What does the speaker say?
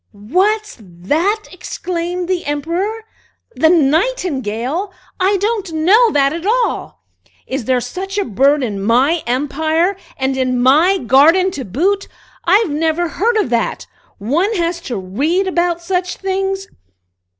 "What's that?" exclaimed the Emperor. "The Nightingale? I don't know that at all! Is there such a bird in my empire, and in my garden to boot? I've never heard of that. One has to read about such things."